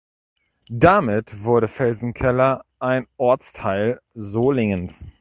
Damit wurde Felsenkeller ein Ortsteil Solingens.